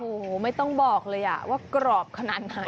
โหไม่ต้องบอกเลยอะว่ากรอบขนาดนี้